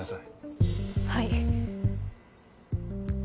はい。